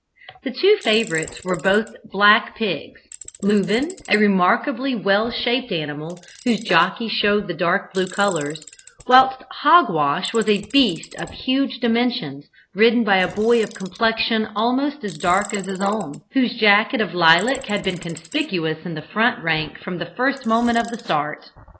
The two favourites were both black pigs; Lubin, a remarkably well shaped animal, whose jockey showed dark blue colours, whilst Hogwash was a beast of huge dimensions, ridden by a boy of complexion almost as dark as his own, whose jacket of lilac had been conspicuous in the front rank from the first moment of the start.